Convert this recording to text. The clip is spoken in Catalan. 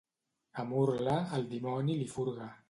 A Murla, el dimoni li furga.